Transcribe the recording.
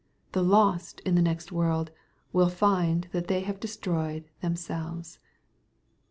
The lost in the next world will find that they have destroyed themselves.